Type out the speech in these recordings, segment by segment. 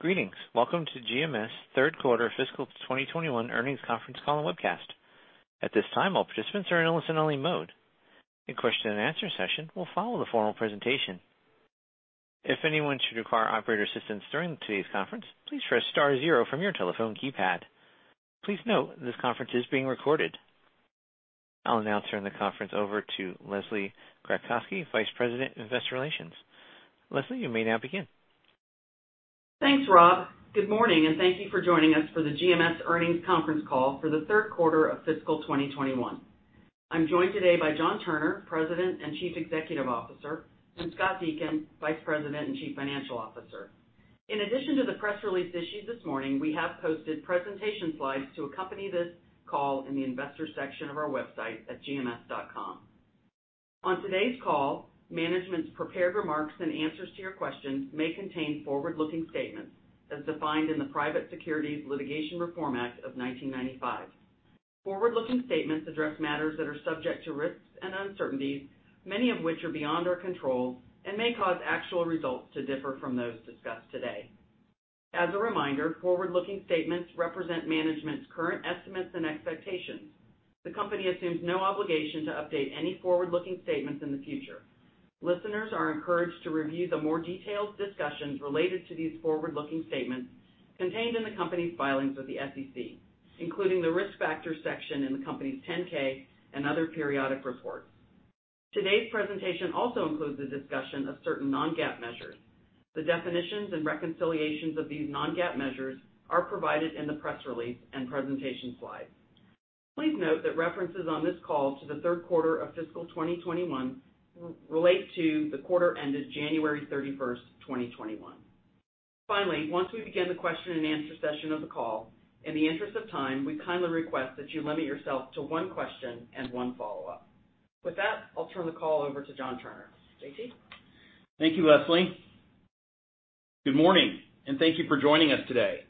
Greetings. Welcome to GMS Third Quarter Fiscal 2021 Earnings Conference Call and Webcast. At this time, all participants are in a listen-only mode. A question and answer session will follow the formal presentation. If anyone should require operator assistance during today's conference, please press star zero from your telephone keypad. Please note, this conference is being recorded. I'll now turn the conference over to Leslie Kratcoski, Vice President of Investor Relations. Leslie, you may now begin. Thanks, Rob. Good morning, and thank you for joining us for the GMS Earnings Conference Call for the Third Quarter of Fiscal 2021. I'm joined today by John Turner, President and Chief Executive Officer, and Scott Deakin, Vice President and Chief Financial Officer. In addition to the press release issued this morning, we have posted presentation slides to accompany this call in the investor section of our website at gms.com. On today's call, management's prepared remarks and answers to your questions may contain forward-looking statements as defined in the Private Securities Litigation Reform Act of 1995. Forward-looking statements address matters that are subject to risks and uncertainties, many of which are beyond our control and may cause actual results to differ from those discussed today. As a reminder, forward-looking statements represent management's current estimates and expectations. The company assumes no obligation to update any forward-looking statements in the future. Listeners are encouraged to review the more detailed discussions related to these forward-looking statements contained in the company's filings with the SEC, including the Risk Factors section in the company's 10-K and other periodic reports. Today's presentation also includes a discussion of certain non-GAAP measures. The definitions and reconciliations of these non-GAAP measures are provided in the press release and presentation slides. Please note that references on this call to the third quarter of fiscal 2021 relate to the quarter ended January 31st, 2021. Finally, once we begin the question and answer session of the call, in the interest of time, we kindly request that you limit yourself to one question and one follow-up. With that, I'll turn the call over to John Turner. J.T.? Thank you, Leslie. Good morning, thank you for joining us today.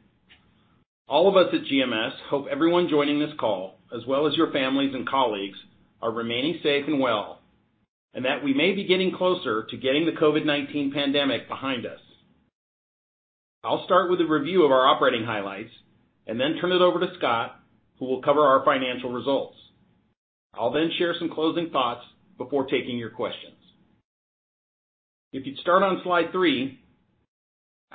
All of us at GMS hope everyone joining this call, as well as your families and colleagues, are remaining safe and well, and that we may be getting closer to getting the COVID-19 pandemic behind us. I'll start with a review of our operating highlights and then turn it over to Scott, who will cover our financial results. I'll share some closing thoughts before taking your questions. If you'd start on Slide Three,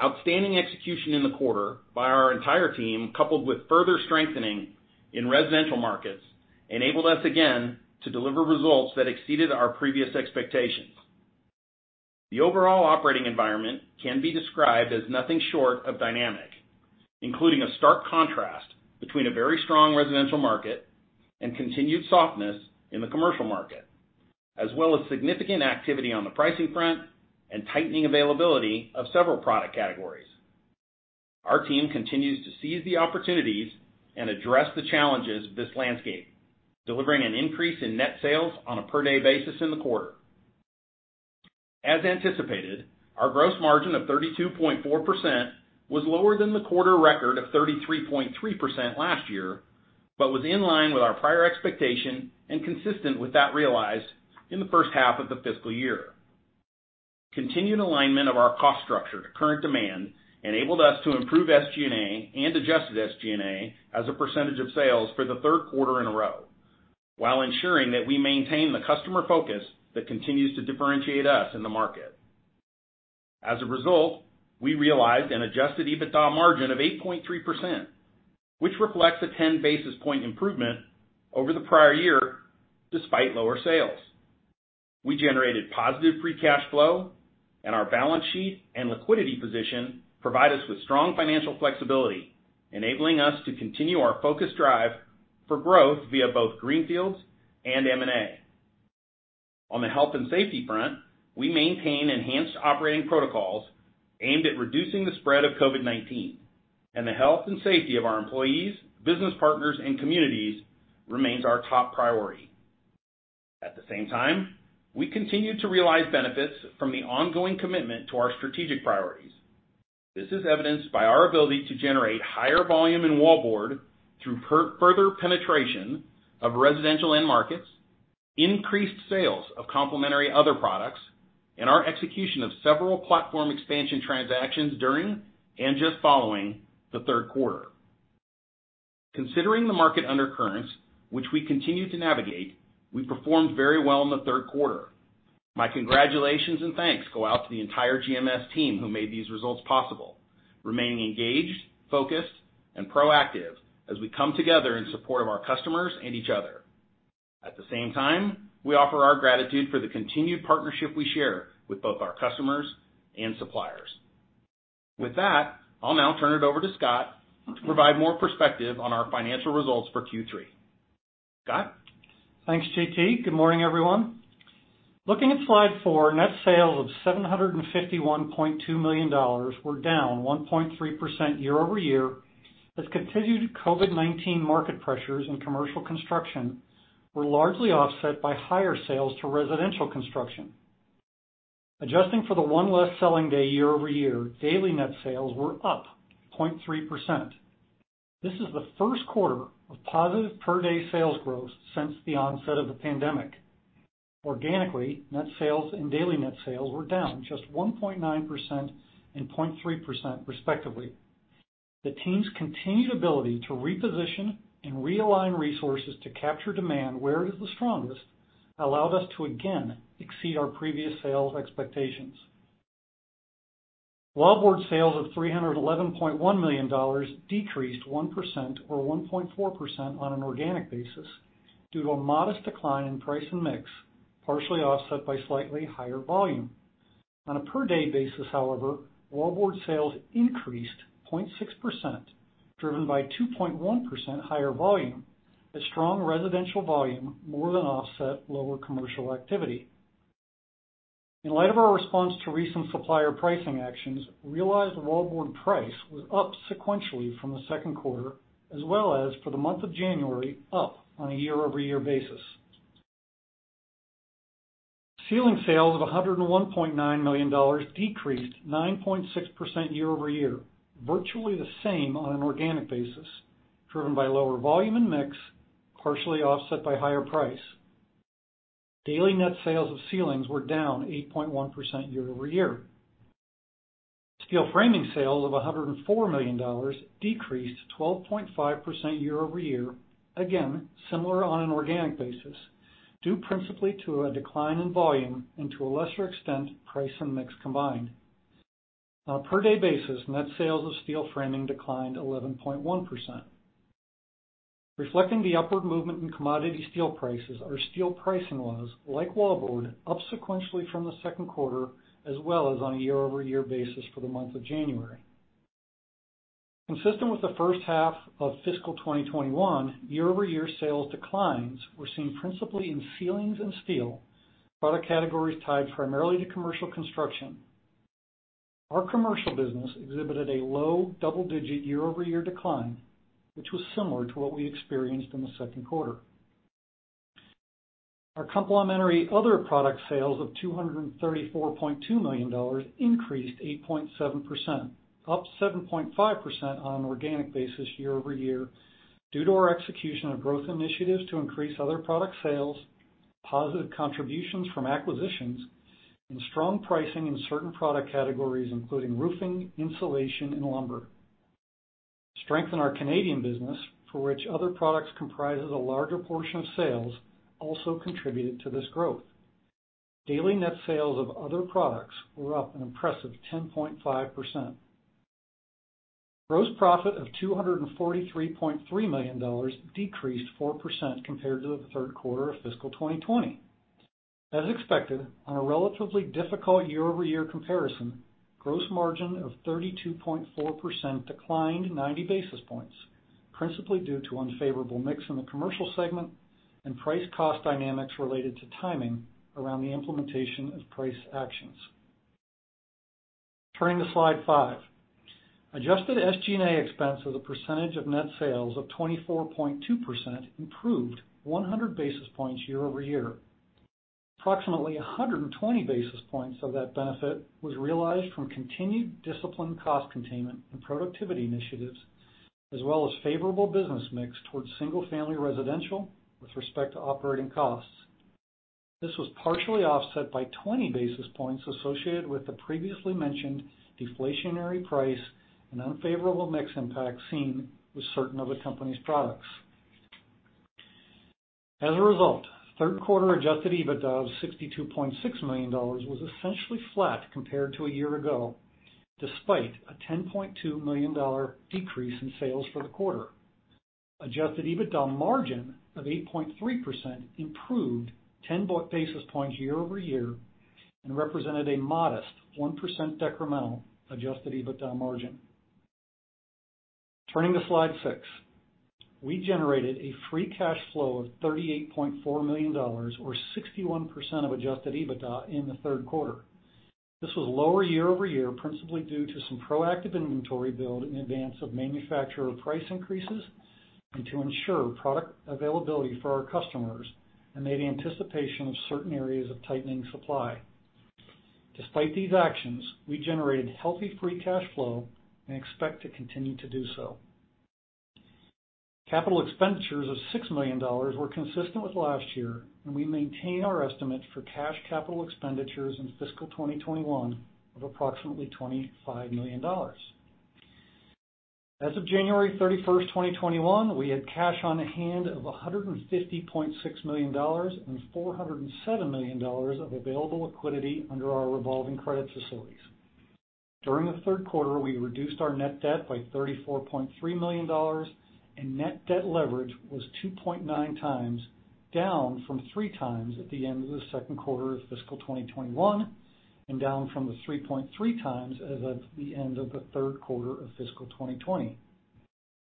outstanding execution in the quarter by our entire team, coupled with further strengthening in residential markets, enabled us again to deliver results that exceeded our previous expectations. The overall operating environment can be described as nothing short of dynamic, including a stark contrast between a very strong residential market and continued softness in the commercial market, as well as significant activity on the pricing front and tightening availability of several product categories. Our team continues to seize the opportunities and address the challenges of this landscape, delivering an increase in net sales on a per-day basis in the quarter. As anticipated, our gross margin of 32.4% was lower than the quarter record of 33.3% last year, but was in line with our prior expectation and consistent with that realized in the first half of the fiscal year. Continued alignment of our cost structure to current demand enabled us to improve SG&A and adjusted SG&A as a percentage of sales for the third quarter in a row while ensuring that we maintain the customer focus that continues to differentiate us in the market. We realized an adjusted EBITDA margin of 8.3%, which reflects a 10 basis point improvement over the prior year despite lower sales. We generated positive free cash flow and our balance sheet and liquidity position provide us with strong financial flexibility, enabling us to continue our focused drive for growth via both greenfields and M&A. On the health and safety front, we maintain enhanced operating protocols aimed at reducing the spread of COVID-19, and the health and safety of our employees, business partners, and communities remains our top priority. At the same time, we continue to realize benefits from the ongoing commitment to our strategic priorities. This is evidenced by our ability to generate higher volume in wallboard through further penetration of residential end markets, increased sales of complementary other products, and our execution of several platform expansion transactions during and just following the third quarter. Considering the market undercurrents, which we continue to navigate, we performed very well in the third quarter. My congratulations and thanks go out to the entire GMS team who made these results possible, remaining engaged, focused, and proactive as we come together in support of our customers and each other. At the same time, we offer our gratitude for the continued partnership we share with both our customers and suppliers. With that, I'll now turn it over to Scott to provide more perspective on our financial results for Q3. Scott? Thanks, J.T. Good morning, everyone. Looking at Slide Four, net sales of $751.2 million were down 1.3% year-over-year as continued COVID-19 market pressures in commercial construction were largely offset by higher sales to residential construction. Adjusting for the one less selling day year-over-year, daily net sales were up 0.3%. This is the first quarter of positive per-day sales growth since the onset of the pandemic. Organically, net sales and daily net sales were down just 1.9% and 0.3% respectively. The team's continued ability to reposition and realign resources to capture demand where it is the strongest allowed us to again exceed our previous sales expectations. Wallboard sales of $311.1 million decreased 1% or 1.4% on an organic basis due to a modest decline in price and mix, partially offset by slightly higher volume. On a per-day basis, however, wallboard sales increased 0.6%, driven by 2.1% higher volume, as strong residential volume more than offset lower commercial activity. In light of our response to recent supplier pricing actions, realized wallboard price was up sequentially from the second quarter, as well as for the month of January, up on a year-over-year basis. Ceiling sales of $101.9 million decreased 9.6% year-over-year, virtually the same on an organic basis, driven by lower volume and mix, partially offset by higher price. Daily net sales of ceilings were down 8.1% year-over-year. Steel framing sales of $104 million decreased 12.5% year-over-year, again, similar on an organic basis, due principally to a decline in volume and to a lesser extent, price and mix combined. On a per-day basis, net sales of steel framing declined 11.1%. Reflecting the upward movement in commodity steel prices, our steel pricing was, like wallboard, up sequentially from the second quarter, as well as on a year-over-year basis for the month of January. Consistent with the first half of fiscal 2021, year-over-year sales declines were seen principally in ceilings and steel, product categories tied primarily to commercial construction. Our commercial business exhibited a low double-digit year-over-year decline, which was similar to what we experienced in the second quarter. Our complementary other product sales of $234.2 million increased 8.7%, up 7.5% on an organic basis year-over-year due to our execution of growth initiatives to increase other product sales, positive contributions from acquisitions, and strong pricing in certain product categories, including roofing, insulation, and lumber. Strength in our Canadian business, for which other products comprises a larger portion of sales, also contributed to this growth. Daily net sales of other products were up an impressive 10.5%. Gross profit of $243.3 million decreased 4% compared to the third quarter of fiscal 2020. As expected, on a relatively difficult year-over-year comparison, gross margin of 32.4% declined 90 basis points, principally due to unfavorable mix in the commercial segment and price-cost dynamics related to timing around the implementation of price actions. Turning to Slide Five. Adjusted SG&A expense as a percentage of net sales of 24.2% improved 100 basis points year-over-year. Approximately 120 basis points of that benefit was realized from continued disciplined cost containment and productivity initiatives, as well as favorable business mix towards single-family residential with respect to operating costs. This was partially offset by 20 basis points associated with the previously mentioned deflationary price and unfavorable mix impact seen with certain of the company's products. As a result, third quarter adjusted EBITDA of $62.6 million was essentially flat compared to a year ago, despite a $10.2 million decrease in sales for the quarter. Adjusted EBITDA margin of 8.3% improved 10 basis points year-over-year and represented a modest 1% decremental adjusted EBITDA margin. Turning to Slide Six. We generated a free cash flow of $38.4 million, or 61% of adjusted EBITDA in the third quarter. This was lower year-over-year, principally due to some proactive inventory build in advance of manufacturer price increases and to ensure product availability for our customers amid anticipation of certain areas of tightening supply. Despite these actions, we generated healthy free cash flow and expect to continue to do so. Capital expenditures of $6 million were consistent with last year, and we maintain our estimate for cash capital expenditures in fiscal 2021 of approximately $25 million. As of January 31st, 2021, we had cash on hand of $150.6 million and $407 million of available liquidity under our revolving credit facilities. During the third quarter, we reduced our net debt by $34.3 million, and net debt leverage was 2.9x, down from 3x at the end of the second quarter of fiscal 2021, and down from the 3.3x as of the end of the third quarter of fiscal 2020.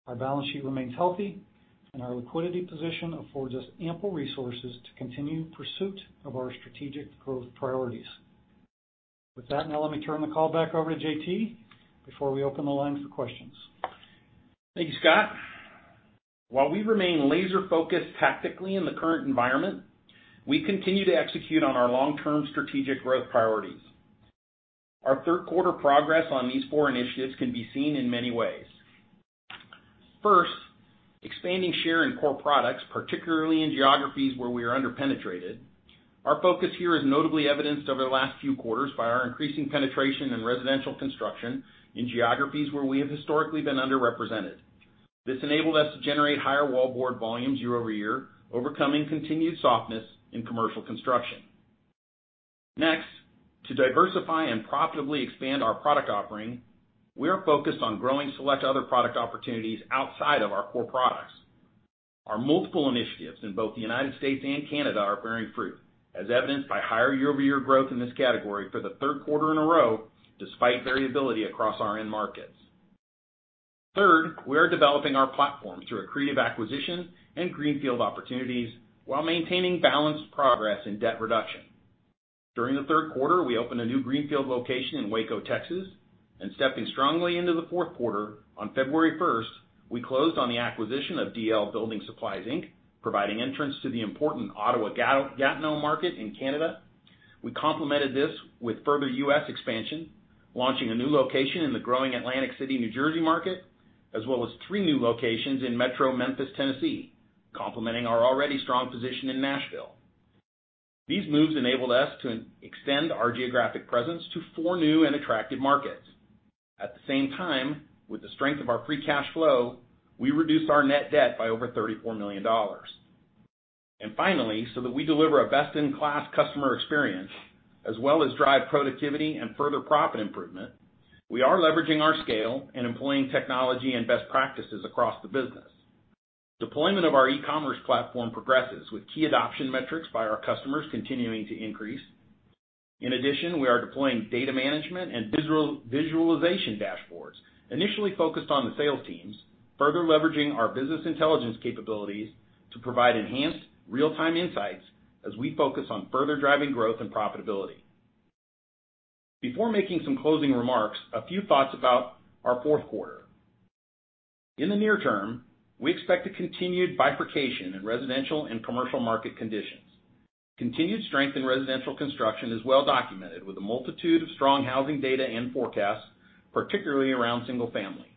Our balance sheet remains healthy, and our liquidity position affords us ample resources to continue pursuit of our strategic growth priorities. With that, now let me turn the call back over to J.T. before we open the line for questions. Thank you, Scott. While we remain laser-focused tactically in the current environment, we continue to execute on our long-term strategic growth priorities. Our third quarter progress on these four initiatives can be seen in many ways. First, expanding share in core products, particularly in geographies where we are under-penetrated. Our focus here is notably evidenced over the last few quarters by our increasing penetration in residential construction in geographies where we have historically been underrepresented. This enabled us to generate higher wallboard volumes year-over-year, overcoming continued softness in commercial construction. Next, to diversify and profitably expand our product offering, we are focused on growing select other product opportunities outside of our core products. Our multiple initiatives in both the United States and Canada are bearing fruit, as evidenced by higher year-over-year growth in this category for the third quarter in a row, despite variability across our end markets. Third, we are developing our platform through accretive acquisitions and greenfield opportunities while maintaining balanced progress in debt reduction. During the third quarter, we opened a new greenfield location in Waco, Texas, and stepping strongly into the fourth quarter, on February 1st, we closed on the acquisition of D.L. Building Materials Inc., providing entrance to the important Ottawa-Gatineau market in Canada. We complemented this with further U.S. expansion, launching a new location in the growing Atlantic City, New Jersey market, as well as three new locations in metro Memphis, Tennessee, complementing our already strong position in Nashville. These moves enabled us to extend our geographic presence to four new and attractive markets. At the same time, with the strength of our free cash flow, we reduced our net debt by over $34 million. Finally, so that we deliver a best-in-class customer experience, as well as drive productivity and further profit improvement, we are leveraging our scale and employing technology and best practices across the business. Deployment of our e-commerce platform progresses, with key adoption metrics by our customers continuing to increase. In addition, we are deploying data management and visualization dashboards, initially focused on the sales teams, further leveraging our business intelligence capabilities to provide enhanced real-time insights as we focus on further driving growth and profitability. Before making some closing remarks, a few thoughts about our fourth quarter. In the near term, we expect a continued bifurcation in residential and commercial market conditions. Continued strength in residential construction is well documented, with a multitude of strong housing data and forecasts, particularly around single family.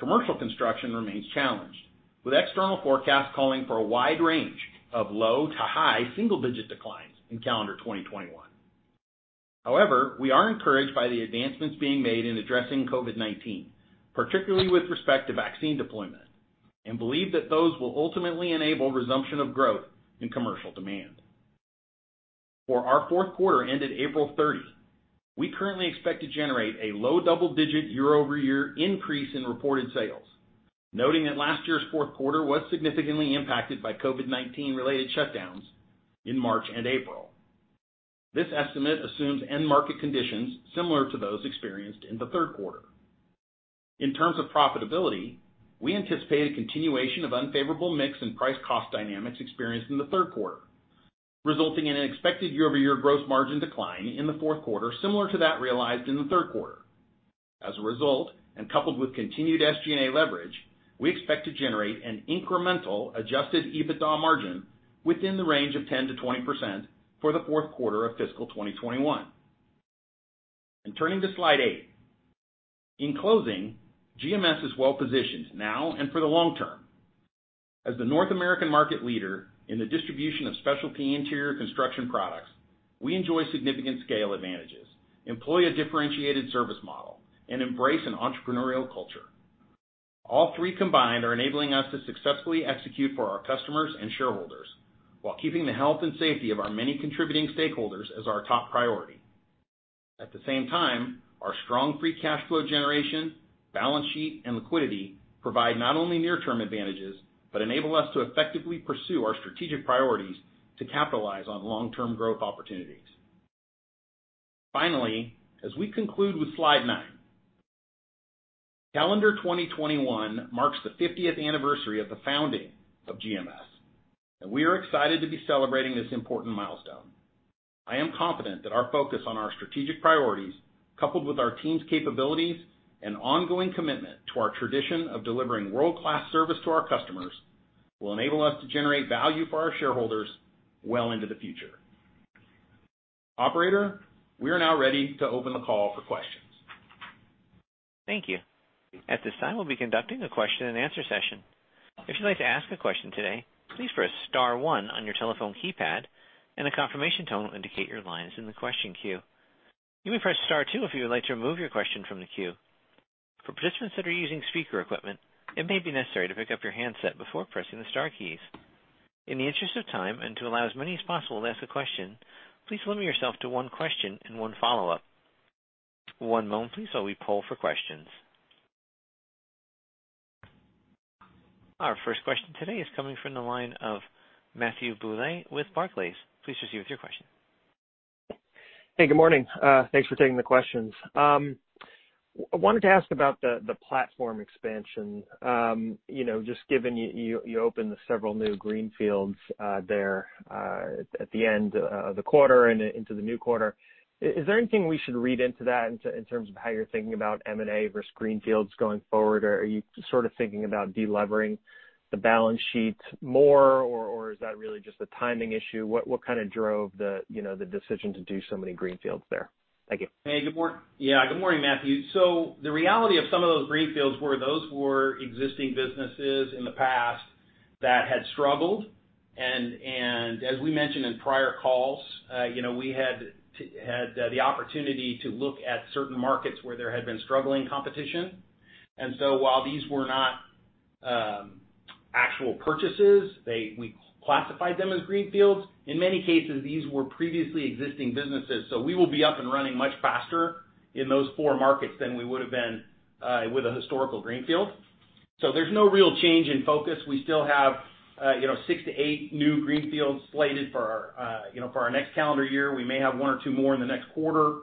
Commercial construction remains challenged, with external forecasts calling for a wide range of low to high single-digit declines in calendar 2021. However, we are encouraged by the advancements being made in addressing COVID-19, particularly with respect to vaccine deployment, and believe that those will ultimately enable resumption of growth in commercial demand. For our fourth quarter ended April 30, we currently expect to generate a low double-digit year-over-year increase in reported sales, noting that last year's fourth quarter was significantly impacted by COVID-19-related shutdowns in March and April. This estimate assumes end market conditions similar to those experienced in the third quarter. In terms of profitability, we anticipate a continuation of unfavorable mix and price cost dynamics experienced in the third quarter, resulting in an expected year-over-year gross margin decline in the fourth quarter similar to that realized in the third quarter. As a result, coupled with continued SG&A leverage, we expect to generate an incremental adjusted EBITDA margin within the range of 10%-20% for the fourth quarter of fiscal 2021. Turning to Slide Eight. In closing, GMS is well positioned now and for the long term. As the North American market leader in the distribution of specialty interior construction products, we enjoy significant scale advantages, employ a differentiated service model, and embrace an entrepreneurial culture. All three combined are enabling us to successfully execute for our customers and shareholders while keeping the health and safety of our many contributing stakeholders as our top priority. At the same time, our strong free cash flow generation, balance sheet, and liquidity provide not only near-term advantages but enable us to effectively pursue our strategic priorities to capitalize on long-term growth opportunities. Finally, as we conclude with Slide Nine. Calendar 2021 marks the 50th anniversary of the founding of GMS, and we are excited to be celebrating this important milestone. I am confident that our focus on our strategic priorities, coupled with our team's capabilities and ongoing commitment to our tradition of delivering world-class service to our customers, will enable us to generate value for our shareholders well into the future. Operator, we are now ready to open the call for questions. Thank you. At this time, we'll be conducting a question and answer session. If you'd like to ask a question today, please press star one on your telephone keypad, and a confirmation tone will indicate your line is in the question queue. You may press star two if you would like to remove your question from the queue. For participants that are using speaker equipment, it may be necessary to pick up your handset before pressing the star keys. In the interest of time and to allow as many as possible to ask a question, please limit yourself to one question and one follow-up. One moment please while we poll for questions. Our first question today is coming from the line of Matthew Bouley with Barclays. Please proceed with your question. Hey, good morning. Thanks for taking the questions. I wanted to ask about the platform expansion. Just given you opened several new greenfields there at the end of the quarter and into the new quarter. Is there anything we should read into that in terms of how you're thinking about M&A versus greenfields going forward? Are you sort of thinking about de-levering the balance sheet more, or is that really just a timing issue? What kind of drove the decision to do so many greenfields there? Thank you. Good morning, Matthew. The reality of some of those greenfields were those were existing businesses in the past that had struggled, and as we mentioned in prior calls, we had the opportunity to look at certain markets where there had been struggling competition. While these were not actual purchases, we classified them as greenfields. In many cases, these were previously existing businesses, so we will be up and running much faster in those four markets than we would've been with a historical greenfield. There's no real change in focus. We still have six to eight new greenfields slated for our next calendar year. We may have one or two more in the next quarter.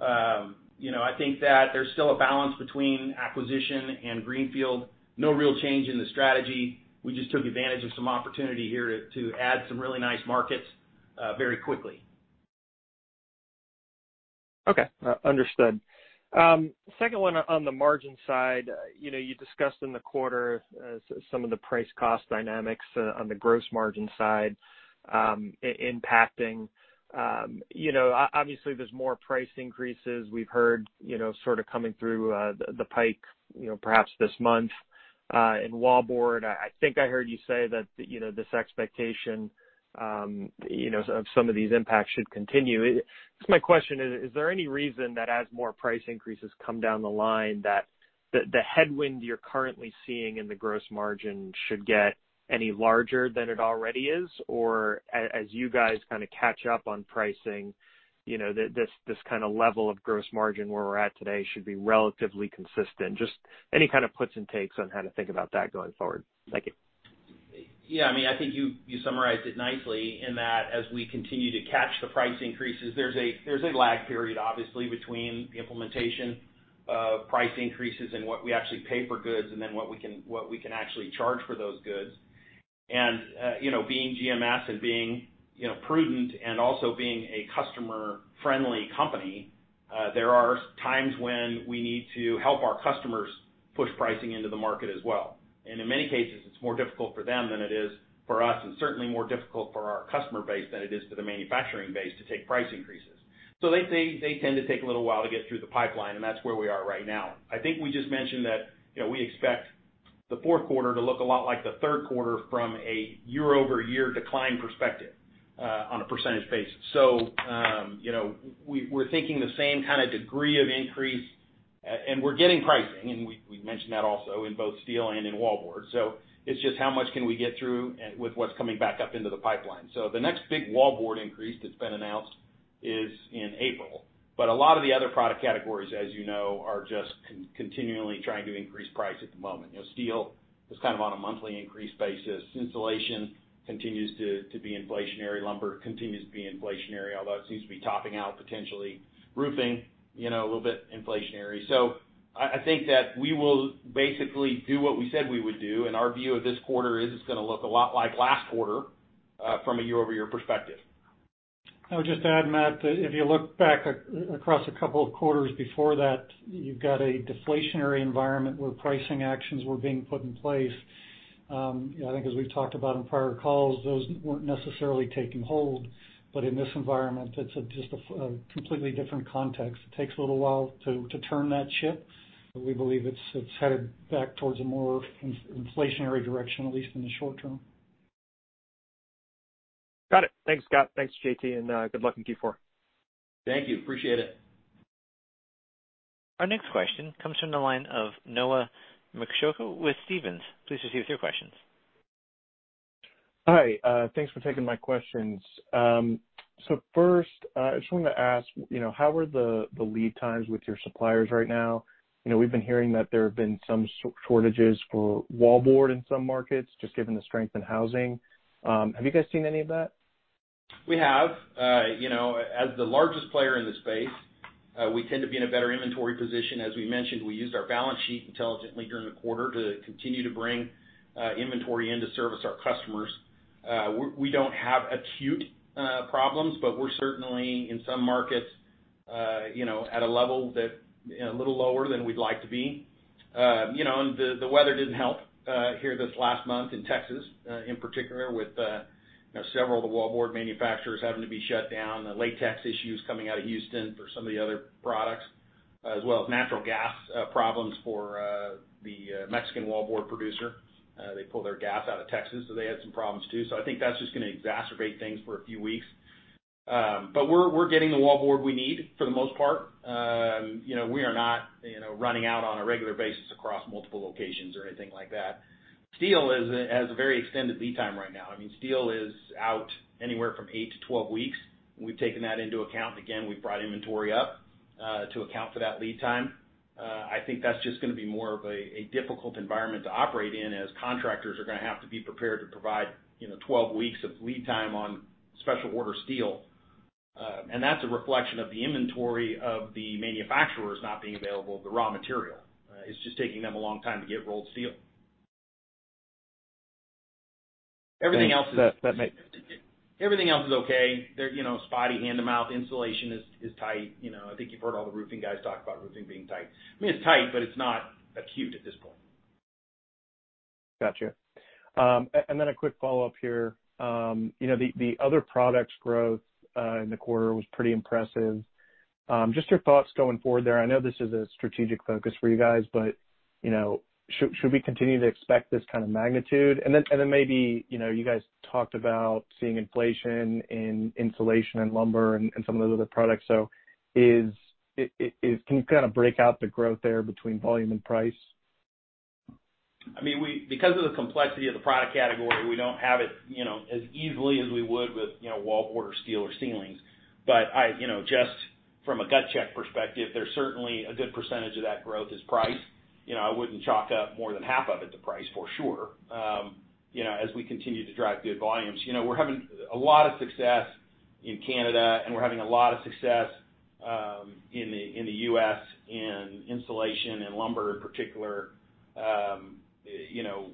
I think that there's still a balance between acquisition and greenfield. No real change in the strategy. We just took advantage of some opportunity here to add some really nice markets very quickly. Okay. Understood. Second one on the margin side. You discussed in the quarter some of the price cost dynamics on the gross margin side impacting. There's more price increases we've heard coming through the pipe perhaps this month in wallboard. I think I heard you say that this expectation of some of these impacts should continue. I guess my question is: Is there any reason that as more price increases come down the line, that the headwind you're currently seeing in the gross margin should get any larger than it already is? As you guys catch up on pricing, this kind of level of gross margin where we're at today should be relatively consistent? Just any kind of puts and takes on how to think about that going forward. Thank you. Yeah. I think you summarized it nicely in that as we continue to catch the price increases, there is a lag period, obviously, between the implementation of price increases and what we actually pay for goods, and then what we can actually charge for those goods. Being GMS and being prudent and also being a customer-friendly company, there are times when we need to help our customers push pricing into the market as well. In many cases, it is more difficult for them than it is for us, and certainly more difficult for our customer base than it is for the manufacturing base to take price increases. They tend to take a little while to get through the pipeline, and that is where we are right now. I think we just mentioned that we expect the fourth quarter to look a lot like the third quarter from a year-over-year decline perspective on a percentage basis. We're thinking the same kind of degree of increase, and we're getting pricing, and we mentioned that also in both steel and in wallboard. It's just how much can we get through with what's coming back up into the pipeline. The next big wallboard increase that's been announced is in April, a lot of the other product categories, as you know, are just continually trying to increase price at the moment. Steel is on a monthly increase basis. Insulation continues to be inflationary. Lumber continues to be inflationary, although it seems to be topping out, potentially. roofing, a little bit inflationary. I think that we will basically do what we said we would do, and our view of this quarter is it's going to look a lot like last quarter, from a year-over-year perspective. I would just add, Matt, that if you look back across a couple of quarters before that, you've got a deflationary environment where pricing actions were being put in place. I think as we've talked about on prior calls, those weren't necessarily taking hold. In this environment, it's just a completely different context. It takes a little while to turn that ship, but we believe it's headed back towards a more inflationary direction, at least in the short term. Got it. Thanks, Scott, thanks, J.T., and good luck in Q4. Thank you. Appreciate it. Our next question comes from the line of Noah Merkousko with Stephens. Please proceed with your questions. Hi. Thanks for taking my questions. First, I just wanted to ask how are the lead times with your suppliers right now? We've been hearing that there have been some shortages for wallboard in some markets, just given the strength in housing. Have you guys seen any of that? We have. As the largest player in the space, we tend to be in a better inventory position. As we mentioned, we used our balance sheet intelligently during the quarter to continue to bring inventory in to service our customers. We don't have acute problems, but we're certainly, in some markets, at a level that a little lower than we'd like to be. The weather didn't help here this last month in Texas, in particular with several of the wallboard manufacturers having to be shut down, the latex issues coming out of Houston for some of the other products, as well as natural gas problems for the Mexican wallboard producer. They pull their gas out of Texas, they had some problems, too. I think that's just going to exacerbate things for a few weeks. We're getting the wallboard we need for the most part. We are not running out on a regular basis across multiple locations or anything like that. Steel has a very extended lead time right now. Steel is out anywhere from eight to 12 weeks. We've taken that into account. Again, we've brought inventory up to account for that lead time. I think that's just going to be more of a difficult environment to operate in as contractors are going to have to be prepared to provide 12 weeks of lead time on special order steel. That's a reflection of the inventory of the manufacturers not being available, the raw material. It's just taking them a long time to get rolled steel. Everything else is- That makes- Everything else is okay. Spotty, hand-to-mouth. Insulation is tight. I think you've heard all the roofing guys talk about roofing being tight. It's tight, but it's not acute at this point. Got you. A quick follow-up here. The other products growth in the quarter was pretty impressive. Just your thoughts going forward there. I know this is a strategic focus for you guys, should we continue to expect this kind of magnitude? Maybe, you guys talked about seeing inflation in insulation and lumber and some of the other products. Can you kind of break out the growth there between volume and price? Because of the complexity of the product category, we don't have it as easily as we would with wallboard or steel or ceilings. Just from a gut check perspective, there's certainly a good percentage of that growth is price. I wouldn't chalk up more than half of it to price for sure. As we continue to drive good volumes. We're having a lot of success in Canada, and we're having a lot of success in the U.S. in insulation and lumber in particular.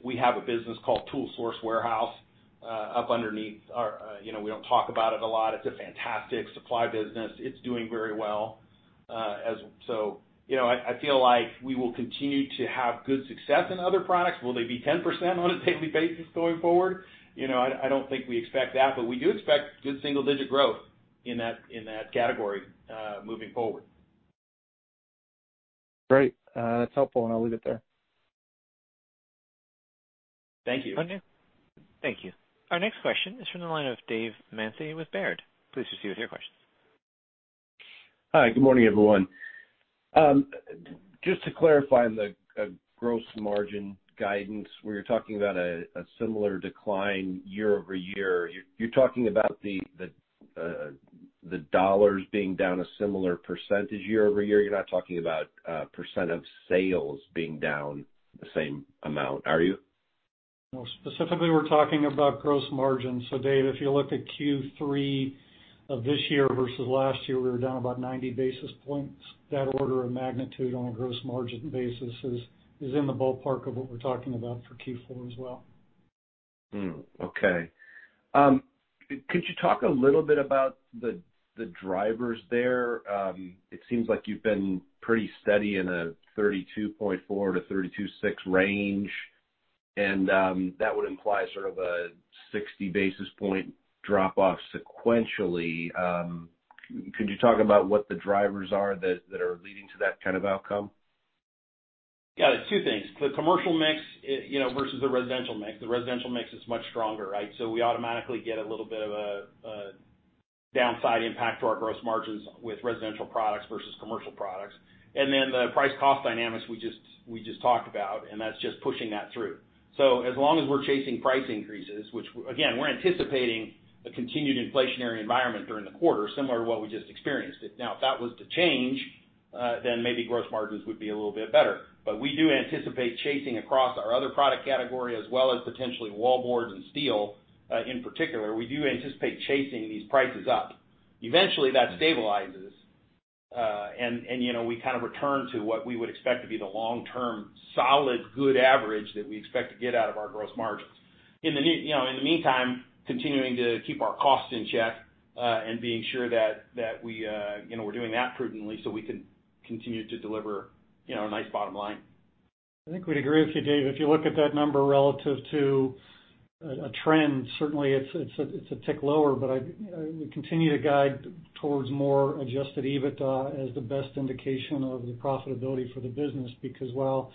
We have a business called Tool Source Warehouse. We don't talk about it a lot. It's a fantastic supply business. It's doing very well. I feel like we will continue to have good success in other products. Will they be 10% on a daily basis going forward? I don't think we expect that, but we do expect good single-digit growth in that category moving forward. Great. That's helpful. I'll leave it there. Thank you. Our next question is from the line of Dave Manthey with Baird. Please proceed with your questions. Hi, good morning, everyone. Just to clarify the gross margin guidance, where you're talking about a similar decline year-over-year. You're talking about the dollars being down a similar percentage year-over-year. You're not talking about percent of sales being down the same amount, are you? No, specifically, we're talking about gross margin. Dave, if you look at Q3 of this year versus last year, we were down about 90 basis points. That order of magnitude on a gross margin basis is in the ballpark of what we're talking about for Q4 as well. Okay. Could you talk a little bit about the drivers there? It seems like you've been pretty steady in a 32.4%-32.6% range, that would imply sort of a 60 basis point drop off sequentially. Could you talk about what the drivers are that are leading to that kind of outcome? Yeah. Two things. The commercial mix versus the residential mix. The residential mix is much stronger, right? We automatically get a little bit of a downside impact to our gross margins with residential products versus commercial products. The price cost dynamics we just talked about, and that's just pushing that through. As long as we're chasing price increases, which again, we're anticipating a continued inflationary environment during the quarter, similar to what we just experienced. Now, if that was to change, maybe gross margins would be a little bit better. We do anticipate chasing across our other product category as well as potentially wallboard and steel framing, in particular. We do anticipate chasing these prices up. Eventually, that stabilizes, and we kind of return to what we would expect to be the long-term solid, good average that we expect to get out of our gross margins. In the meantime, continuing to keep our costs in check, and being sure that we're doing that prudently so we can continue to deliver a nice bottom line. I think we'd agree with you, Dave. If you look at that number relative to a trend, certainly it's a tick lower, but we continue to guide towards more adjusted EBITDA as the best indication of the profitability for the business, because while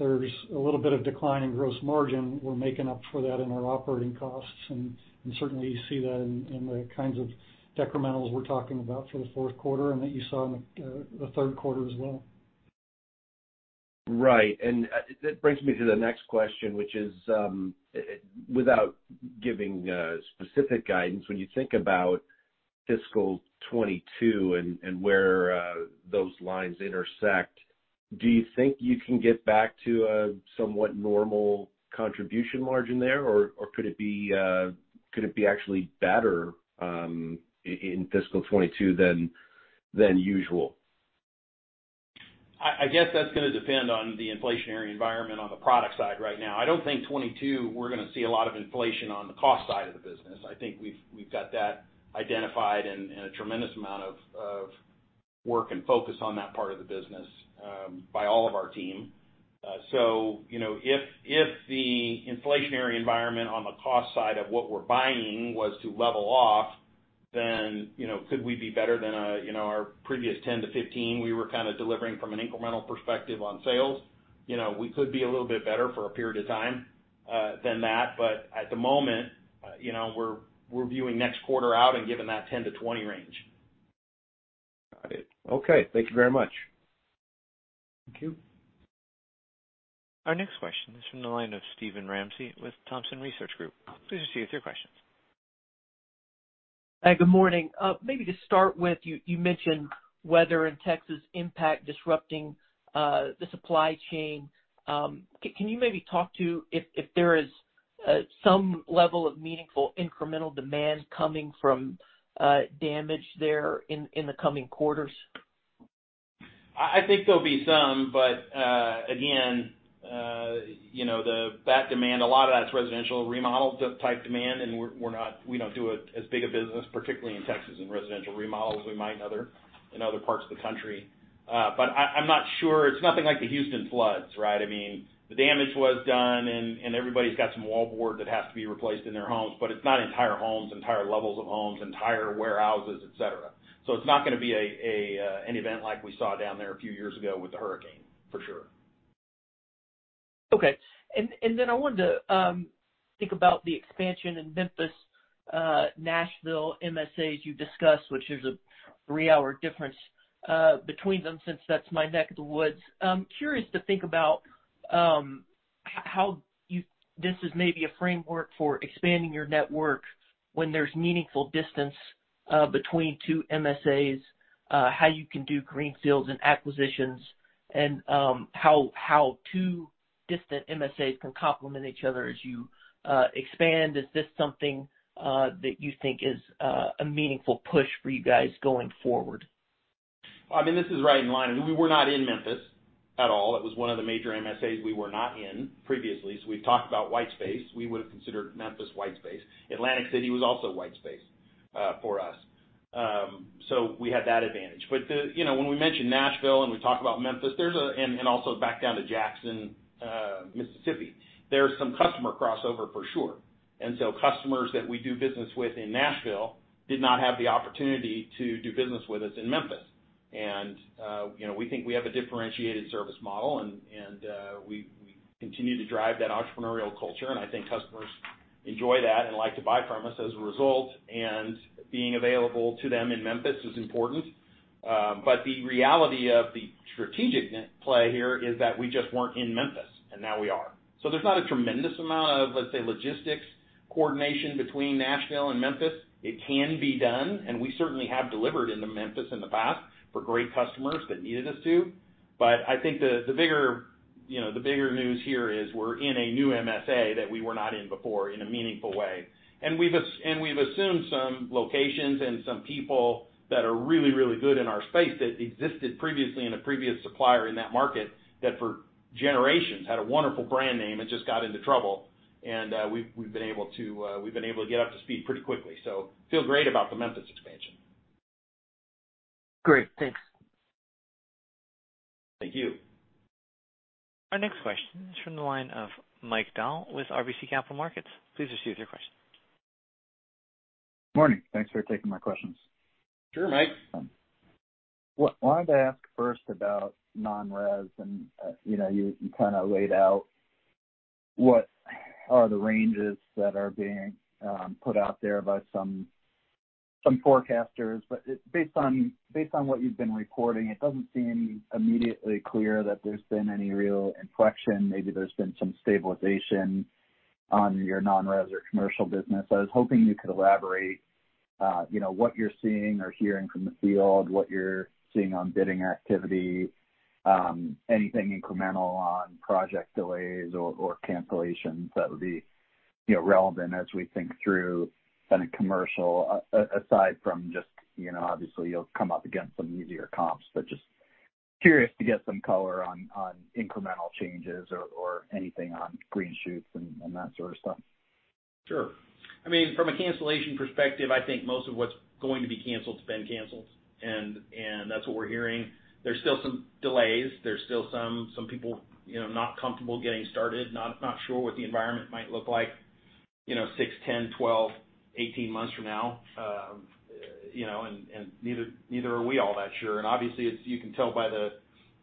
there's a little bit of decline in gross margin, we're making up for that in our operating costs, and certainly you see that in the kinds of decrementals we're talking about for the fourth quarter and that you saw in the third quarter as well. Right. That brings me to the next question, which is, without giving specific guidance, when you think about fiscal 2022 and where those lines intersect, do you think you can get back to a somewhat normal contribution margin there? Or could it be actually better in fiscal 2022 than usual? I guess that's going to depend on the inflationary environment on the product side right now. I don't think 2022 we're going to see a lot of inflation on the cost side of the business. I think we've got that identified and a tremendous amount of work and focus on that part of the business by all of our team. If the inflationary environment on the cost side of what we're buying was to level off, then could we be better than our previous 10%-15% we were kind of delivering from an incremental perspective on sales? We could be a little bit better for a period of time than that, but at the moment, we're viewing next quarter out and giving that 10%-20% range. Got it. Okay. Thank you very much. Thank you. Our next question is from the line of Steven Ramsey with Thompson Research Group. Please proceed with your questions. Hi, good morning. Maybe to start with you mentioned weather in Texas impact disrupting the supply chain. Can you maybe talk to if there is some level of meaningful incremental demand coming from damage there in the coming quarters? I think there'll be some, but again, that demand, a lot of that's residential remodel type demand, and we don't do as big a business, particularly in Texas, in residential remodels. We might in other parts of the country. I'm not sure. It's nothing like the Houston floods, right? I mean, the damage was done and everybody's got some wallboard that has to be replaced in their homes, but it's not entire homes, entire levels of homes, entire warehouses, etc. It's not going to be an event like we saw down there a few years ago with the hurricane, for sure. Okay. I wanted to think about the expansion in Memphis, Nashville, MSAs you discussed, which is a three-hour difference between them, since that's my neck of the woods. I'm curious to think about how this is maybe a framework for expanding your network when there's meaningful distance between two MSAs, how you can do greenfields and acquisitions, and how two distant MSAs can complement each other as you expand. Is this something that you think is a meaningful push for you guys going forward? I mean, this is right in line. We were not in Memphis at all. It was one of the major MSAs we were not in previously. We've talked about white space. We would've considered Memphis white space. Atlantic City was also white space for us. We had that advantage. When we mention Nashville and we talk about Memphis, and also back down to Jackson, Mississippi, there's some customer crossover for sure. Customers that we do business with in Nashville did not have the opportunity to do business with us in Memphis. We think we have a differentiated service model and we continue to drive that entrepreneurial culture, and I think customers enjoy that and like to buy from us as a result, and being available to them in Memphis is important. The reality of the strategic play here is that we just weren't in Memphis, and now we are. There's not a tremendous amount of, let's say, logistics coordination between Nashville and Memphis. It can be done, and we certainly have delivered into Memphis in the past for great customers that needed us to. I think the bigger news here is we're in a new MSA that we were not in before in a meaningful way. We've assumed some locations and some people that are really, really good in our space that existed previously in a previous supplier in that market that for generations had a wonderful brand name and just got into trouble. We've been able to get up to speed pretty quickly. Feel great about the Memphis expansion. Great. Thanks. Thank you. Our next question is from the line of Mike Dahl with RBC Capital Markets. Please proceed with your question. Morning. Thanks for taking my questions. Sure, Mike. Wanted to ask first about non-res, and you kind of laid out what are the ranges that are being put out there by some forecasters. Based on what you've been reporting, it doesn't seem immediately clear that there's been any real inflection. Maybe there's been some stabilization on your non-res or commercial business. I was hoping you could elaborate what you're seeing or hearing from the field, what you're seeing on bidding activity, anything incremental on project delays or cancellations that would be relevant as we think through kind of commercial, aside from just obviously you'll come up against some easier comps. Just curious to get some color on incremental changes or anything on green shoots and that sort of stuff. Sure. I mean, from a cancellation perspective, I think most of what's going to be canceled has been canceled. That's what we're hearing. There's still some delays. There's still some people not comfortable getting started, not sure what the environment might look like six, 10, 12, 18 months from now. Neither are we all that sure. Obviously, as you can tell,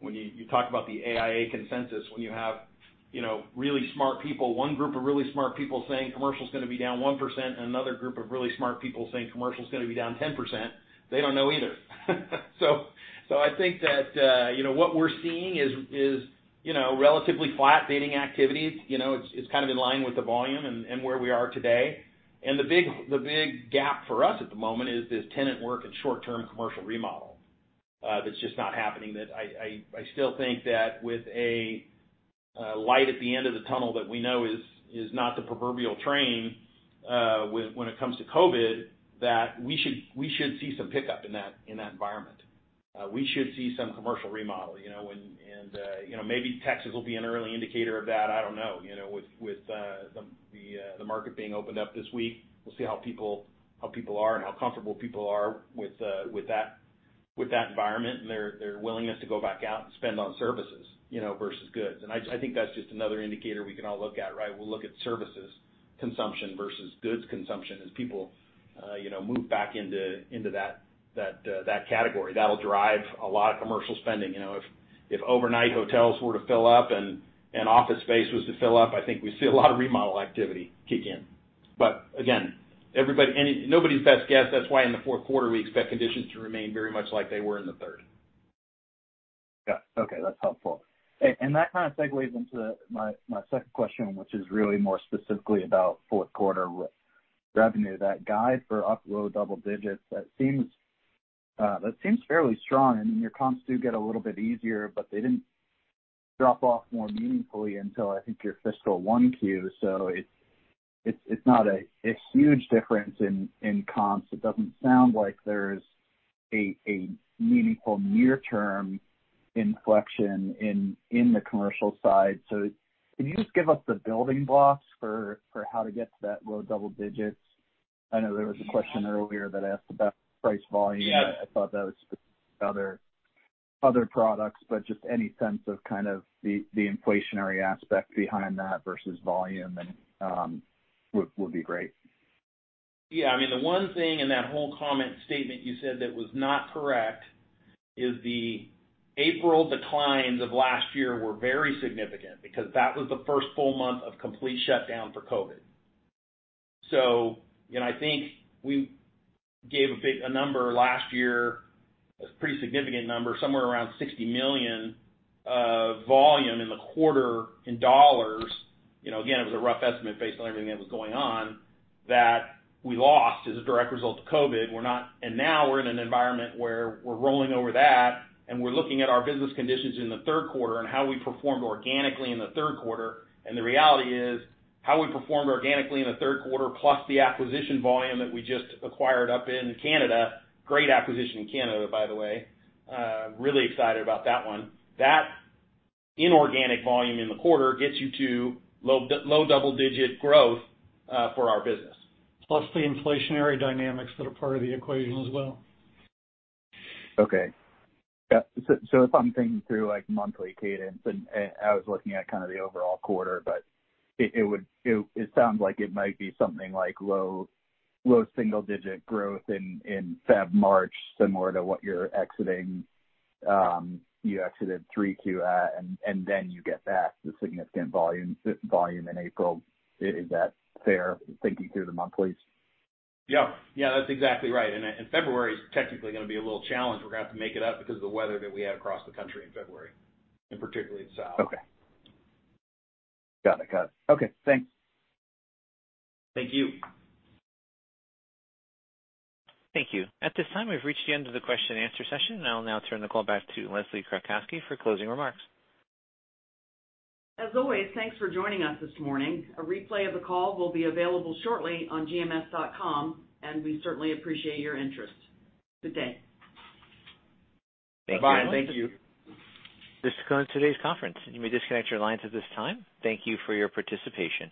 when you talk about the AIA consensus, when you have really smart people, one group of really smart people saying commercial's going to be down 1%, and another group of really smart people saying commercial's going to be down 10%, they don't know either. I think that what we're seeing is relatively flat bidding activity. It's kind of in line with the volume and where we are today. The big gap for us at the moment is this tenant work and short-term commercial remodel that's just not happening. I still think that with a light at the end of the tunnel that we know is not the proverbial train when it comes to COVID, that we should see some pickup in that environment. We should see some commercial remodel. Maybe Texas will be an early indicator of that, I don't know. With the market being opened up this week, we'll see how people are and how comfortable people are with that environment and their willingness to go back out and spend on services versus goods. I think that's just another indicator we can all look at, right? We'll look at services consumption versus goods consumption as people move back into that category. That'll drive a lot of commercial spending. If overnight hotels were to fill up and office space was to fill up, I think we'd see a lot of remodel activity kick in. Again, nobody's best guess, that's why in the fourth quarter, we expect conditions to remain very much like they were in the third. Yeah. Okay, that's helpful. That kind of segues into my second question, which is really more specifically about fourth quarter revenue. That guide for up low double digits, that seems fairly strong. I mean, your comps do get a little bit easier, but they didn't drop off more meaningfully until, I think, your fiscal 1Q. It's not a huge difference in comps. It doesn't sound like there's a meaningful near-term inflection in the commercial side. Can you just give us the building blocks for how to get to that low double digits? I know there was a question earlier that asked about price volume. Yeah. I thought that was for other products, but just any sense of the inflationary aspect behind that versus volume would be great. Yeah. The one thing in that whole comment statement you said that was not correct is the April declines of last year were very significant because that was the first full month of complete shutdown for COVID-19. I think we gave a number last year, a pretty significant number, somewhere around $60 million volume in the quarter in dollars. Again, it was a rough estimate based on everything that was going on that we lost as a direct result of COVID-19. Now we're in an environment where we're rolling over that, and we're looking at our business conditions in the third quarter and how we performed organically in the third quarter. The reality is how we performed organically in the third quarter, plus the acquisition volume that we just acquired up in Canada, great acquisition in Canada, by the way. Really excited about that one. That inorganic volume in the quarter gets you to low double-digit growth for our business. The inflationary dynamics that are part of the equation as well. Okay. Yeah. If I'm thinking through monthly cadence, and I was looking at the overall quarter, but it sounds like it might be something like low single-digit growth in February, March, similar to what you exited 3Q at, and then you get back the significant volume in April. Is that fair, thinking through the monthlies? Yeah. That's exactly right. February's technically going to be a little challenge. We're going to have to make it up because of the weather that we had across the country in February, and particularly the South. Okay. Got it. Okay, thanks. Thank you. Thank you. At this time, we've reached the end of the question and answer session. I will now turn the call back to Leslie Kratcoski for closing remarks. As always, thanks for joining us this morning. A replay of the call will be available shortly on gms.com, and we certainly appreciate your interest. Good day. Bye. Thank you. This concludes today's conference. You may disconnect your lines at this time. Thank you for your participation.